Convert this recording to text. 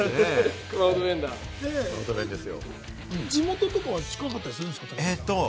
地元とかは近かったりするんですか？